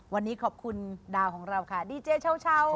วันนี้ขอบคุณดาวของเราค่ะดีเจเช่า